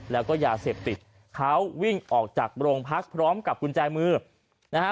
แล้วก็ยาเสพติดเขาวิ่งออกจากโรงพักพร้อมกับกุญแจมือนะฮะ